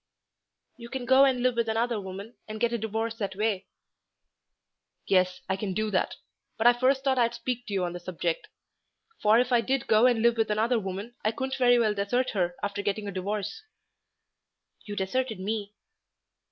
"You can go and live with another woman, and get a divorce that way." "Yes, I can do that; but I first thought I'd speak to you on the subject. For if I did go and live with another woman I couldn't very well desert her after getting a divorce." "You deserted me."